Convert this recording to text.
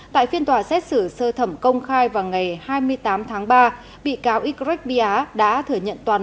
tại phiên tòa xét xử sơ thẩm công khai vào ngày hai mươi tám tháng ba bị cáo ycret bia đã thừa nhận toàn